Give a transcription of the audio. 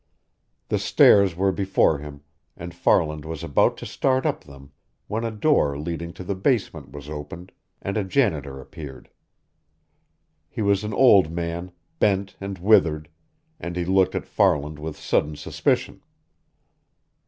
The stairs were before him, and Farland was about to start up them when a door leading to the basement was opened, and a janitor appeared. He was an old man, bent and withered, and he looked at Farland with sudden suspicion.